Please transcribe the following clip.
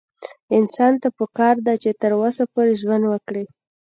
انسان ته پکار ده چې تر وسه پورې ژوند وکړي